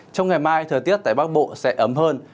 trong ngày mai thời tiết tại bắc bộ sẽ ấm hơn